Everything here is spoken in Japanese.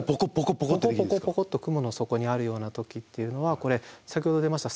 ポコッポコッポコッと雲の底にあるような時っていうのはこれ先ほど出ました